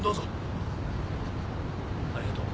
ありがとう。